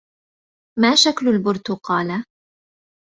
مَا شَكْلُ الْبُرْتُقالَةِ ؟